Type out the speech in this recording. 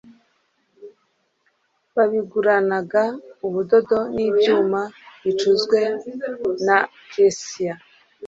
babiguranaga ubudodo n ibyuma bicuzwe na kesiya